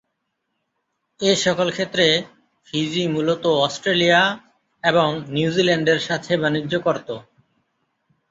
এসকল ক্ষেত্রে ফিজি মূলত অস্ট্রেলিয়া এবং নিউজিল্যান্ড এর সাথে বাণিজ্য করত।